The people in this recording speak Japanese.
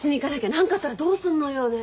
何かあったらどうすんのよねえ。